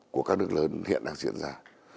của các nước lớn hiện đang diễn ra